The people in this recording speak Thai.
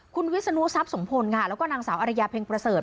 คุณวิศนุทรัพย์สมพลค่ะแล้วก็นางสาวอรยาเพ็งประเสริฐ